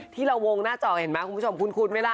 ที่เราวงหน้าจอเห็นไหมคุณผู้ชมคุ้นไหมล่ะ